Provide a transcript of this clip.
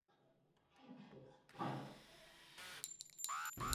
Jasnější definice budou znamenat jednodušší provádění.